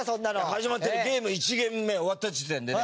始まってゲーム１ゲーム目終わった時点でね